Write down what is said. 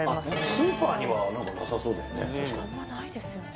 スーパーにはなさそうだよね